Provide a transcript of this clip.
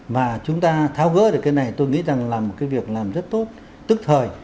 và chúng ta tháo gỡ được cái này tôi nghĩ rằng là một cái việc làm rất tốt tức thời